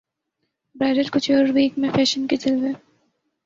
bridal couture week میں fashion کے جلوے